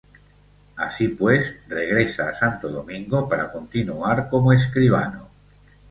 Así pues, regresa a Santo Domingo para continuar como escribano.